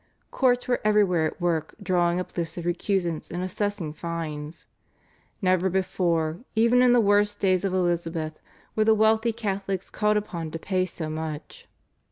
Courts were everywhere at work drawing up lists of recusants and assessing fines. Never before, even in the worst days of Elizabeth, were the wealthy Catholics called upon to pay so much.